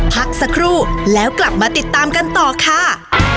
พักสักครู่แล้วกลับมาติดตามกันต่อค่ะ